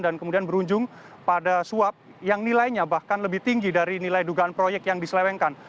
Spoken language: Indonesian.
kemudian berujung pada suap yang nilainya bahkan lebih tinggi dari nilai dugaan proyek yang diselewengkan